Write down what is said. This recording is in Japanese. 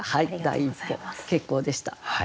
第一歩結構でした。